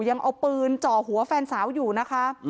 ยังเอาปืนจ่อหัวแฟนสาวอยู่นะคะ